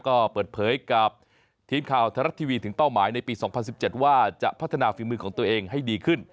ก็เปิดเผยกับทีมข่าวไทยรัฐทีวีถึงเป้าหมายในปี๒๐๑๗ว่าจะพัฒนาฝีมือของตัวเองให้ดีขึ้น